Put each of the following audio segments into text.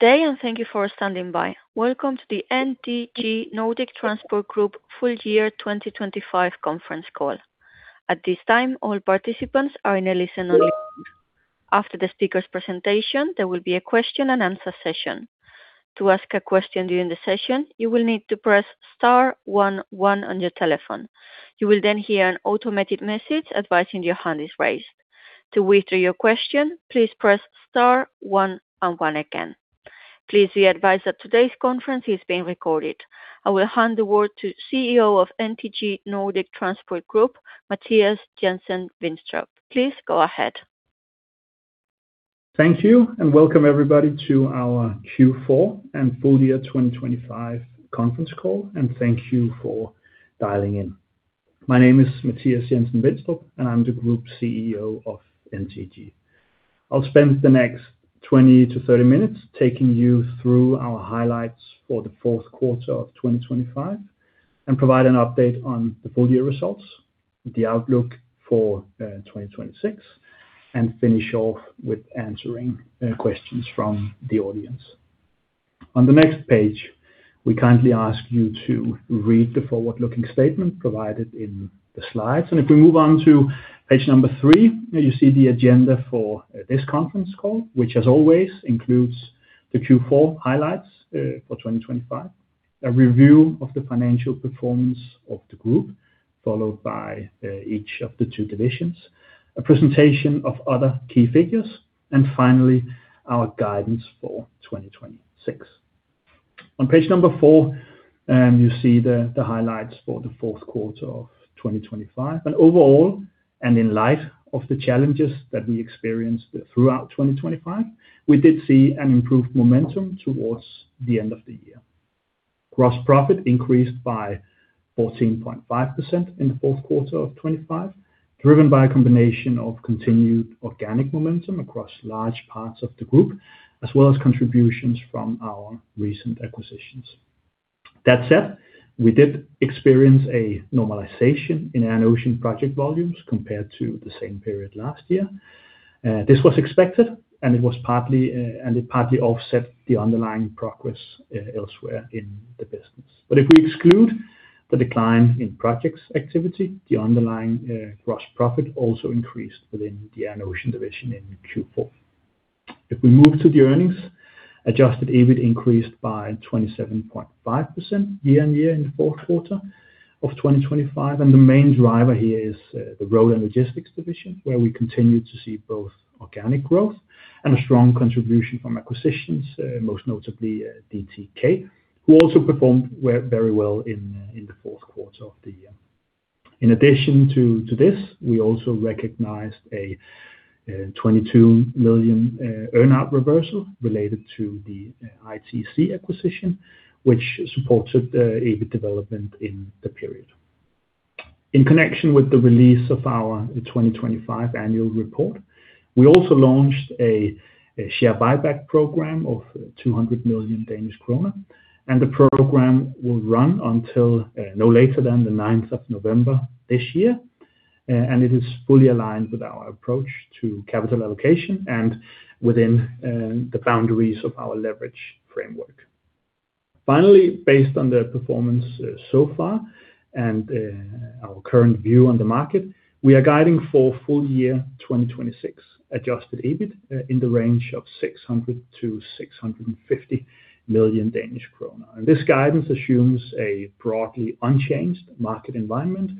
Good day, and thank you for standing by. Welcome to the NTG Nordic Transport Group Full Year 2025 conference call. At this time, all participants are in a listen-only mode. After the speaker's presentation, there will be a question-and-answer session. To ask a question during the session, you will need to press star one one on your telephone. You will then hear an automated message advising your hand is raised. To withdraw your question, please press star one and one again. Please be advised that today's conference is being recorded. I will hand the word to CEO of NTG Nordic Transport Group, Mathias Jensen-Vinstrup. Please go ahead. Thank you. Welcome everybody to our Q4 and full year 2025 conference call. Thank you for dialing in. My name is Mathias Jensen-Vinstrup. I'm the Group CEO of NTG. I'll spend the next 20-30 minutes taking you through our highlights for the fourth quarter of 2025 and provide an update on the full year results, the outlook for 2026, and finish off with answering questions from the audience. On the next page, we kindly ask you to read the forward-looking statement provided in the slides. If we move on to page number three, you see the agenda for this conference call, which as always includes the Q4 highlights for 2025, a review of the financial performance of the group, followed by each of the two divisions, a presentation of other key figures, and finally, our guidance for 2026. On page number four, you see the highlights for the fourth quarter of 2025. Overall, and in light of the challenges that we experienced throughout 2025, we did see an improved momentum towards the end of the year. Gross profit increased by 14.5% in the fourth quarter of 2025, driven by a combination of continued organic momentum across large parts of the group as well as contributions from our recent acquisitions. That said, we did experience a normalization in Air & Ocean project volumes compared to the same period last year. This was expected, and it partly offset the underlying progress elsewhere in the business. If we exclude the decline in projects activity, the underlying gross profit also increased within the Air & Ocean division in Q4. If we move to the earnings, adjusted EBIT increased by 27.5% year-on-year in the fourth quarter of 2025, and the main driver here is the Road & Logistics division, where we continue to see both organic growth and a strong contribution from acquisitions, most notably DTK, who also performed very well in the fourth quarter of the year. In addition to this, we also recognized a 22 million earn-out reversal related to the ITC acquisition, which supported the EBIT development in the period. In connection with the release of our 2025 annual report, we also launched a share buyback program of 200 million Danish kroner, the program will run until no later than the 9th of November this year. It is fully aligned with our approach to capital allocation and within the boundaries of our leverage framework. Finally, based on the performance so far and our current view on the market, we are guiding for full year 2026 Adjusted EBIT in the range of 600 million-650 million Danish krone. This guidance assumes a broadly unchanged market environment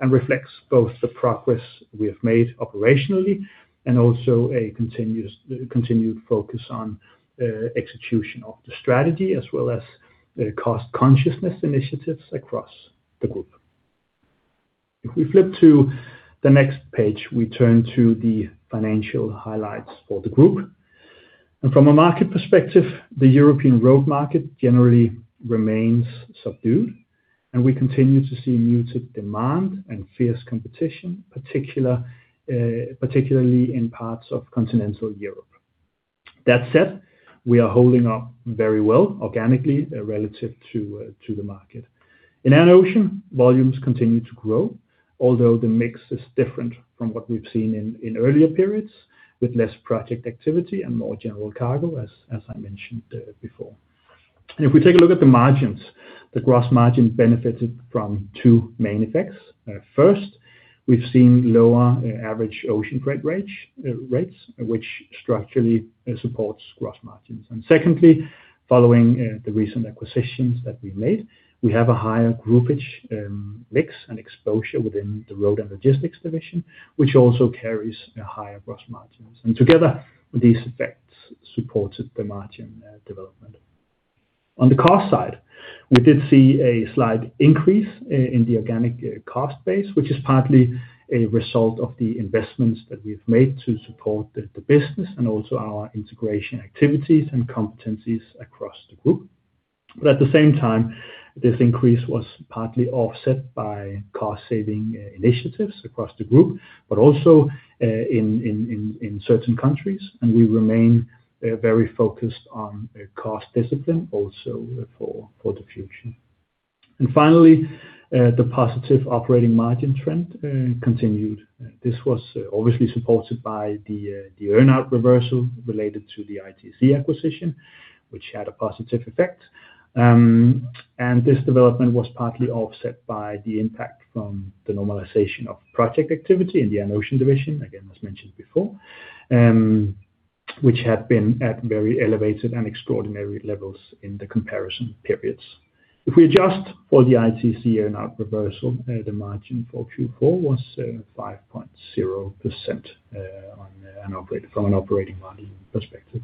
and reflects both the progress we have made operationally and also a continuous continued focus on execution of the strategy as well as the cost consciousness initiatives across the group. If we flip to the next page, we turn to the financial highlights for the group. From a market perspective, the European road market generally remains subdued, and we continue to see muted demand and fierce competition, particularly in parts of continental Europe. That said, we are holding up very well organically relative to the market. In Air & Ocean, volumes continue to grow, although the mix is different from what we've seen in earlier periods, with less project activity and more general cargo, as I mentioned before. If we take a look at the margins, the gross margin benefited from two main effects. First, we've seen lower average ocean freight rates, which structurally supports gross margins. Secondly, following the recent acquisitions that we made, we have a higher groupage mix and exposure within the Road & Logistics division, which also carries higher gross margins. Together, these effects supported the margin development. On the cost side, we did see a slight increase in the organic cost base, which is partly a result of the investments that we've made to support the business and also our integration activities and competencies across the group. At the same time, this increase was partly offset by cost-saving initiatives across the group, but also in certain countries, and we remain very focused on cost discipline also for the future. Finally, the positive operating margin trend continued. This was obviously supported by the earn-out reversal related to the ITC acquisition, which had a positive effect. This development was partly offset by the impact from the normalization of project activity in the Air & Ocean division, again, as mentioned before, which had been at very elevated and extraordinary levels in the comparison periods. If we adjust for the ITC earn-out reversal, the margin for Q4 was 5.0% from an operating margin perspective.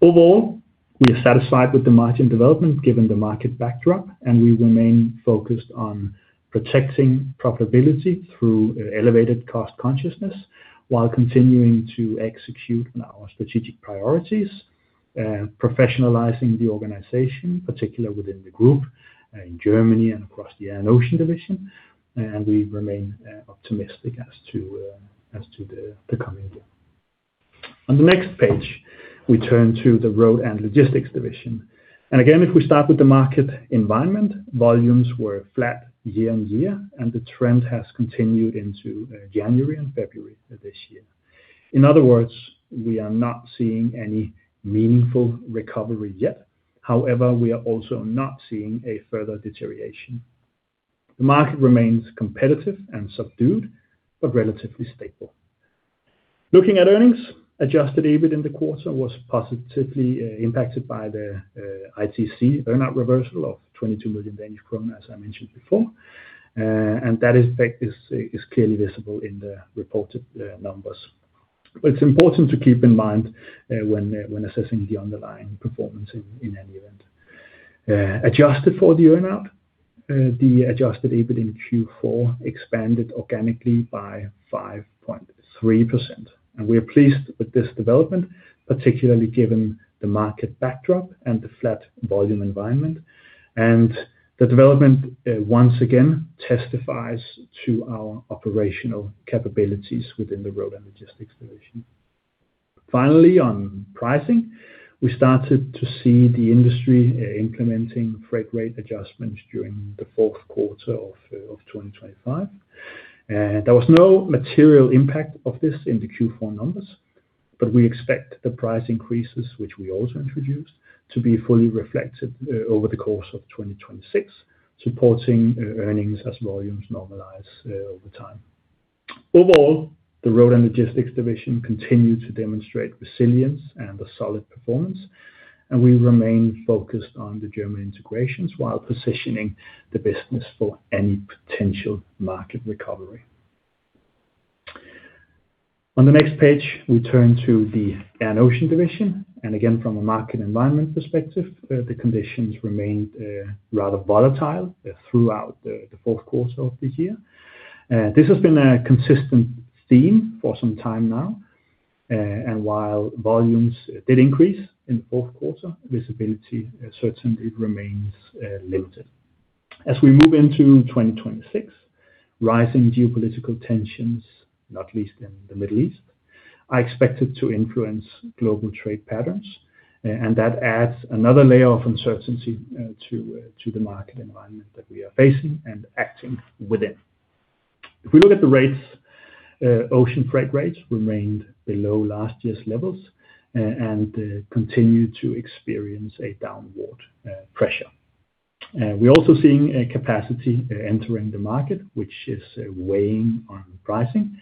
Overall, we are satisfied with the margin development given the market backdrop. We remain focused on protecting profitability through elevated cost consciousness while continuing to execute on our strategic priorities, professionalizing the organization, particularly within the group in Germany and across the Air & Ocean division. We remain optimistic as to the coming year. On the next page, we turn to the Road & Logistics division. Again, if we start with the market environment, volumes were flat year-on-year. The trend has continued into January and February of this year. In other words, we are not seeing any meaningful recovery yet. However, we are also not seeing a further deterioration. The market remains competitive and subdued, but relatively stable. Looking at earnings, Adjusted EBIT in the quarter was positively impacted by the ITC earn-out reversal of 22 million Danish kroner as I mentioned before. That effect is clearly visible in the reported numbers. It's important to keep in mind when assessing the underlying performance in any event. Adjusted for the earn-out, the Adjusted EBIT in Q4 expanded organically by 5.3%. We are pleased with this development, particularly given the market backdrop and the flat volume environment. The development once again testifies to our operational capabilities within the Road & Logistics division. Finally, on pricing, we started to see the industry implementing freight rate adjustments during the fourth quarter of 2025. There was no material impact of this in the Q4 numbers, but we expect the price increases, which we also introduced, to be fully reflected over the course of 2026, supporting earnings as volumes normalize over time. Overall, the Road & Logistics division continued to demonstrate resilience and a solid performance, in the fourth quarter, visibility certainly remains limited. As we move into 2026, rising geopolitical tensions, not least in the Middle East, are expected to influence global trade patterns, and that adds another layer of uncertainty to the market environment that we are facing and acting within. If we look at the rates, ocean freight rates remained below last year's levels and continue to experience a downward pressure. We're also seeing a capacity entering the market, which is weighing on pricing.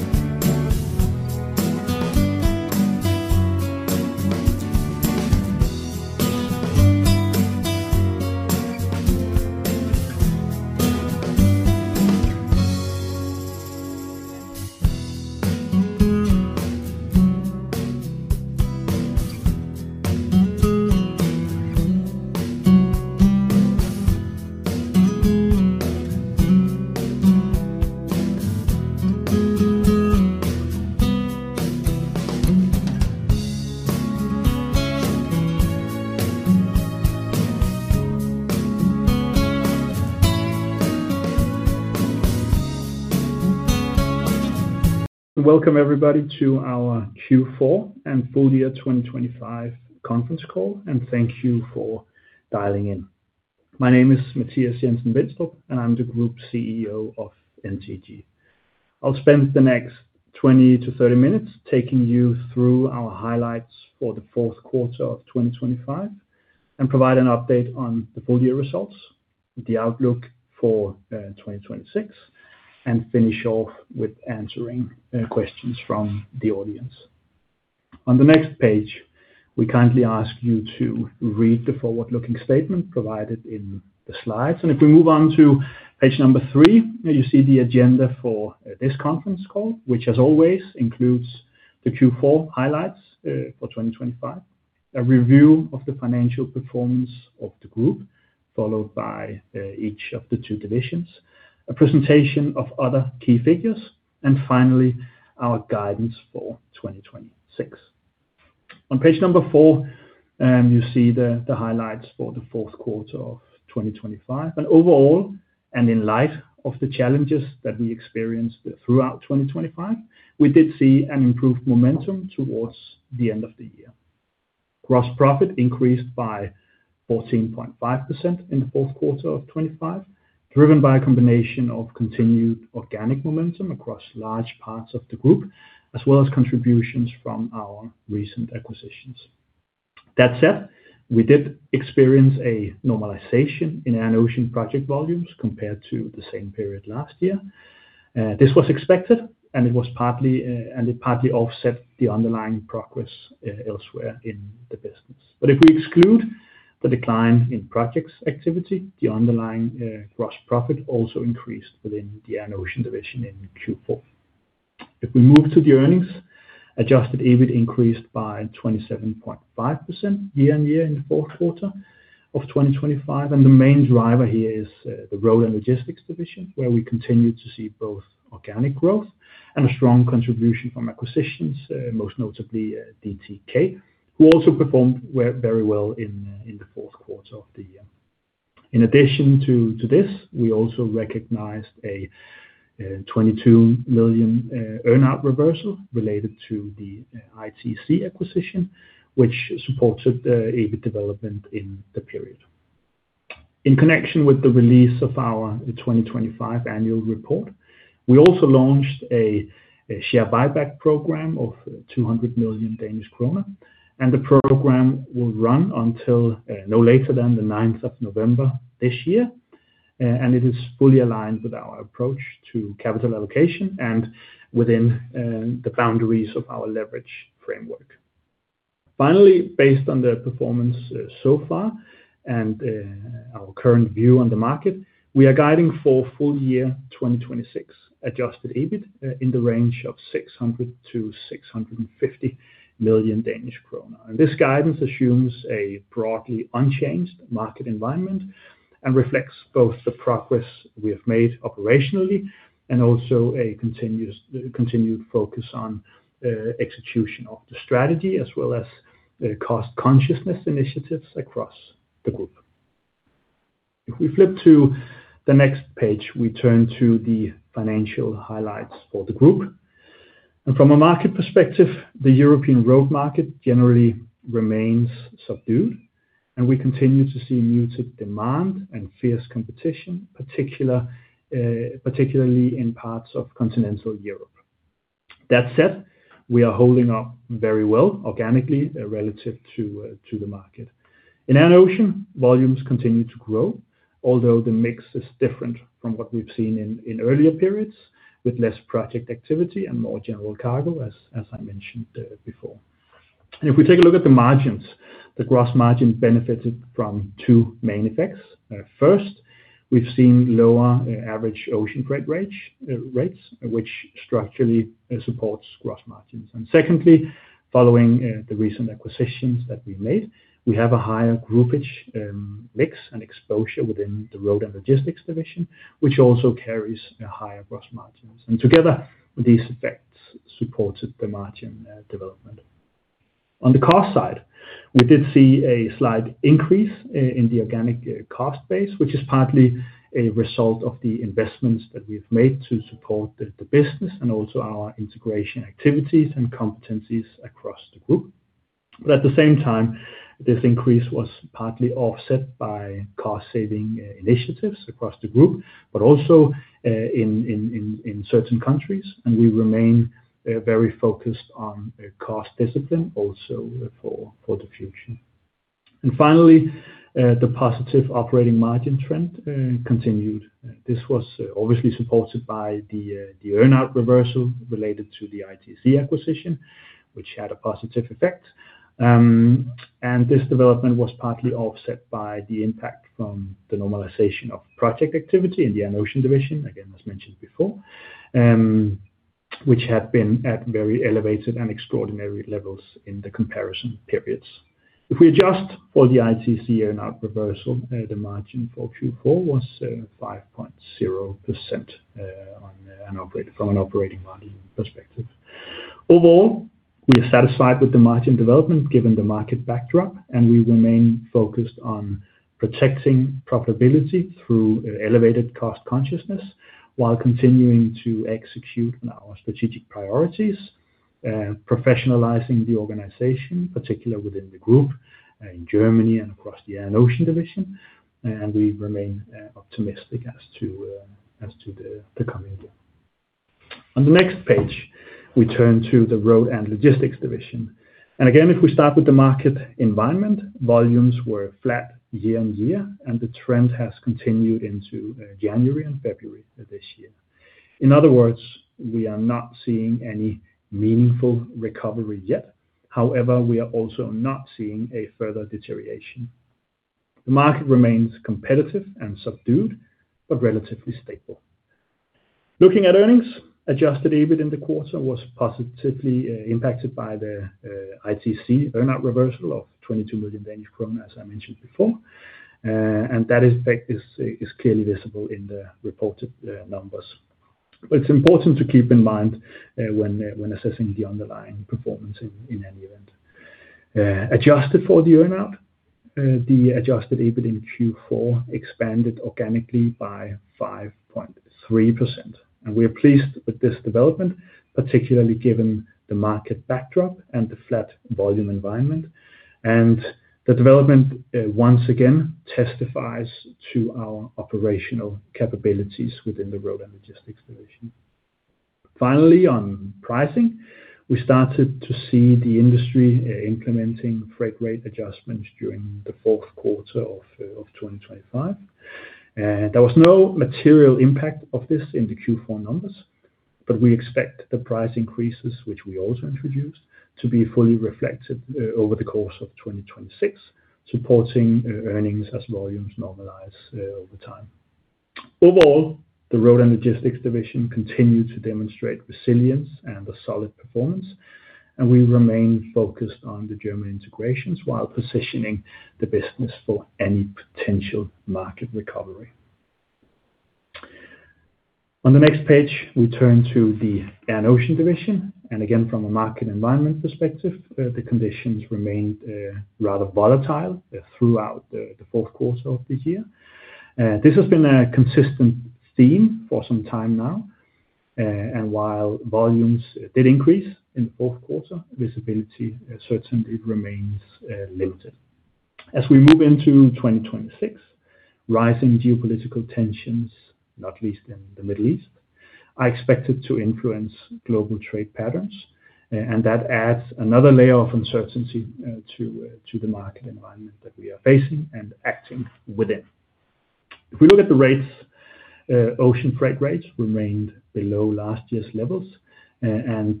With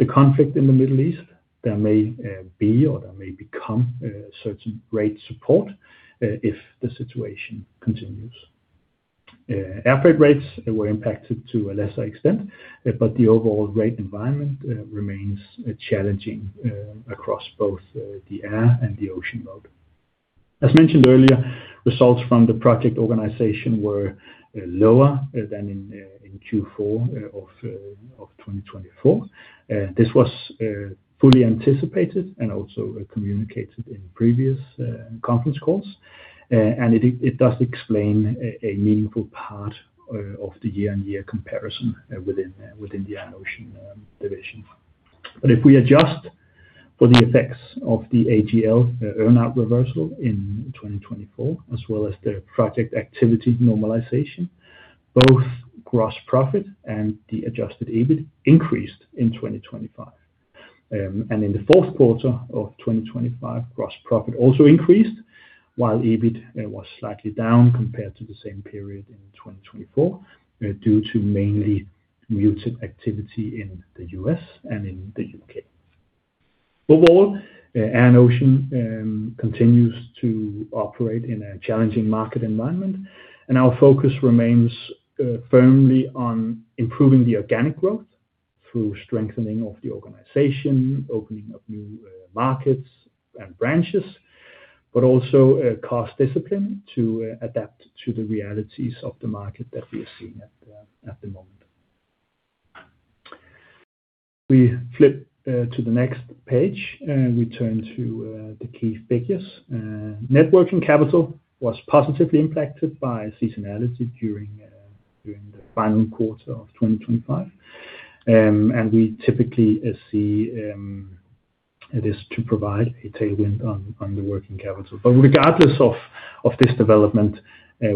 the conflict in the Middle East, there may be or there may become certain rate support if the situation continues. Air freight rates were impacted to a lesser extent, but the overall rate environment, remains challenging, across both, the air and the ocean mode. As mentioned earlier, results from the project organization were lower than in Q4 of 2024. This was fully anticipated and also communicated in previous conference calls. It does explain a meaningful part of the year-on-year comparison within the Air & Ocean division. If we adjust for the effects of the AGL earn-out reversal in 2024, as well as the project activity normalization, both gross profit and the Adjusted EBIT increased in 2025. In the fourth quarter of 2025, gross profit also increased, while EBIT was slightly down compared to the same period in 2024, due to mainly muted activity in the U.S. and in the U.K. Overall, Air & Ocean continues to operate in a challenging market environment, and our focus remains firmly on improving the organic growth through strengthening of the organization, opening of new markets and branches, but also cost discipline to adapt to the realities of the market that we are seeing at the moment. We flip to the next page, we turn to the key figures. Net working capital was positively impacted by seasonality during the final quarter of 2025. We typically see it is to provide a tailwind on the working capital. Regardless of this development,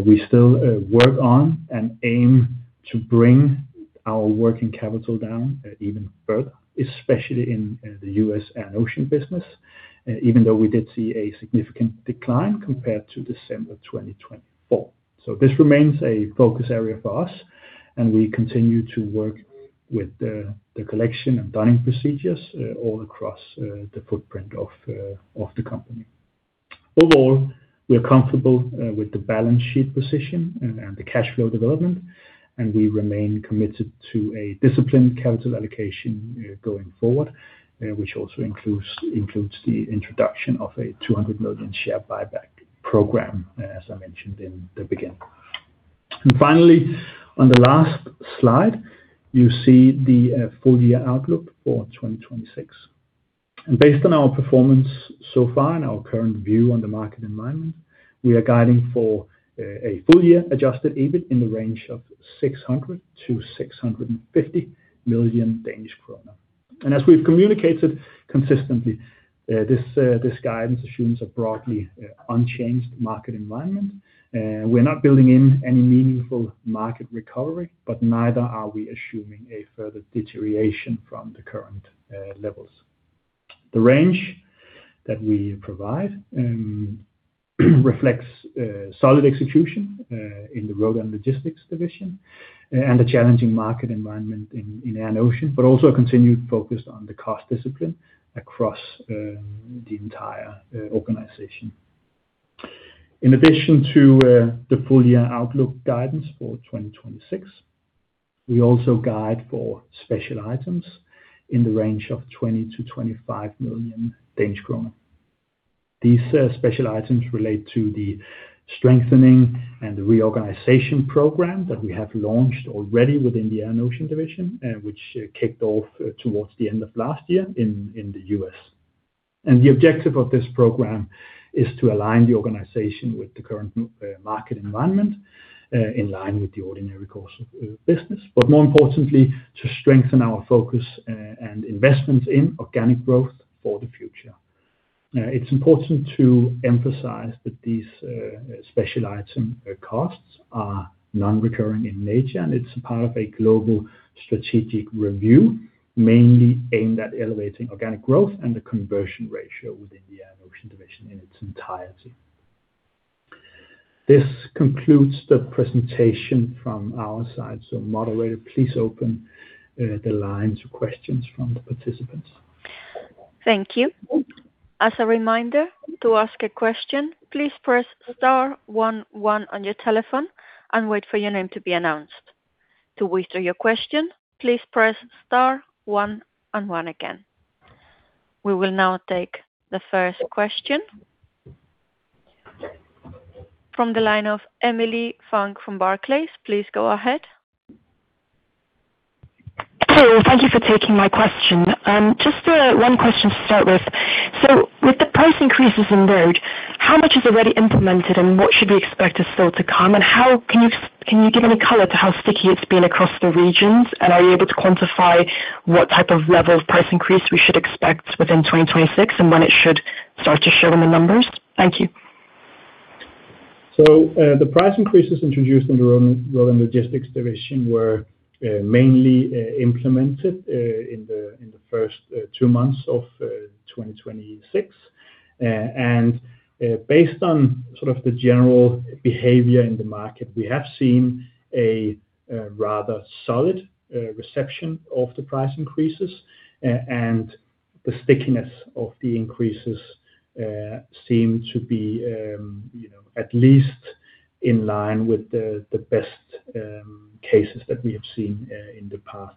we still work on and aim to bring our working capital down even further, especially in the U.S. Air & Ocean business, even though we did see a significant decline compared to December 2024. This remains a focus area for us, and we continue to work with the collection and billing procedures all across the footprint of the company. Overall, we are comfortable with the balance sheet position and the cash flow development, and we remain committed to a disciplined capital allocation going forward, which also includes the introduction of a 200 million share buyback program, as I mentioned in the beginning. Finally, on the last slide, you see the full year outlook for 2026. Based on our performance so far and our current view on the market environment, we are guiding for a full year Adjusted EBIT in the range of 600 million-650 million Danish kroner. As we've communicated consistently, this guidance assumes a broadly unchanged market environment. We're not building in any meaningful market recovery, but neither are we assuming a further deterioration from the current levels. The range that we provide reflects solid execution in the Road & Logistics division and the challenging market environment in Air & Ocean, but also a continued focus on the cost discipline across the entire organization. In addition to the full year outlook guidance for 2026, we also guide for special items in the range of 20 million-25 million Danish kroner. These special items relate to the strengthening and the reorganization program that we have launched already within the Air & Ocean division, which kicked off towards the end of last year in the U.S. The objective of this program is to align the organization with the current market environment, in line with the ordinary course of business. More importantly, to strengthen our focus and investment in organic growth for the future. It's important to emphasize that these special item costs are non-recurring in nature, and it's part of a global strategic review, mainly aimed at elevating organic growth and the conversion ratio within the Air & Ocean division in its entirety. This concludes the presentation from our side. Moderator, please open the lines for questions from the participants. Thank you. As a reminder, to ask a question, please press star one one on your telephone and wait for your name to be announced. To withdraw your question, please press star one and one again. We will now take the first question. From the line of Emilie Fung from Barclays. Please go ahead. Hey, thank you for taking my question. Just one question to start with. With the price increases in Road, how much is already implemented and what should we expect is still to come? How can you give any color to how sticky it's been across the regions? Are you able to quantify what type of level of price increase we should expect within 2026, and when it should start to show in the numbers? Thank you. The price increases introduced in the Road & Logistics division were mainly implemented in the first two months of 2026. Based on sort of the general behavior in the market, we have seen a rather solid reception of the price increases. The stickiness of the increases seem to be, you know, at least in line with the best cases that we have seen in the past.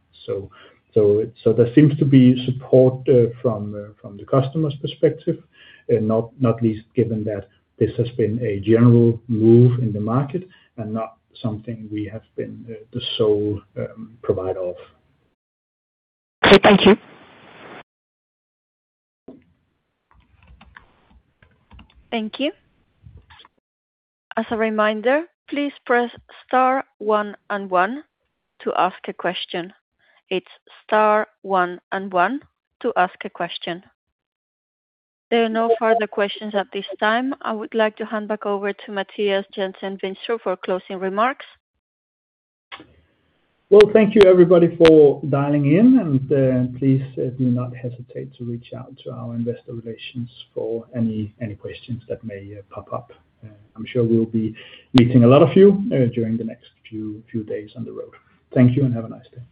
There seems to be support from the customer's perspective, not least given that this has been a general move in the market and not something we have been the sole provider of. Okay. Thank you. Thank you. As a reminder, please press star one and one to ask a question. It's star one and one to ask a question. There are no further questions at this time. I would like to hand back over to Mathias Jensen-Vinstrup for closing remarks. Well, thank you everybody for dialing in. Please do not hesitate to reach out to our investor relations for any questions that may pop up. I'm sure we'll be meeting a lot of you during the next few days on the road. Thank you. Have a nice day.